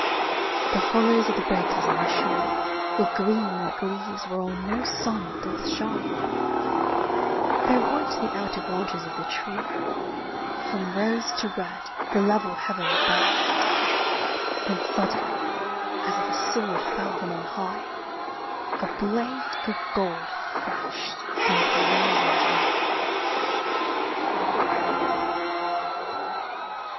The hollows of the breakers on the shore Were green like leaves whereon no sun doth shine, Though white the outer branches of the tree From rose to red the level heaven burned ; Then sudden, as if a sword fell from on high, A blade of gold flashed on the horizon's rim.